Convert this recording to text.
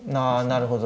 なるほど。